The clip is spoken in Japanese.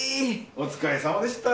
お疲れさまでした。